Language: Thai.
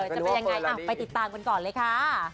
จะเป็นยังไงไปติดตามกันก่อนเลยค่ะ